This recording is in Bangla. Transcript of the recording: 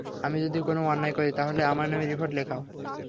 আমি যদি কোনো অন্যায় করি, তাহলে আমার নামে রিপোর্ট লেখাও।